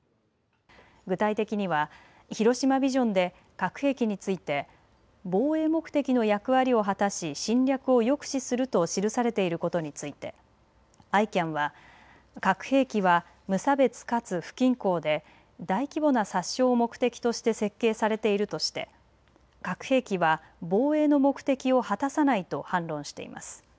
具体的には広島ビジョンで核兵器について防衛目的の役割を果たし侵略を抑止すると記されていることについてＩＣＡＮは核兵器は無差別かつ不均衡で大規模な殺傷を目的として設計されているとして核兵器は防衛の目的を果たさないと反論しています。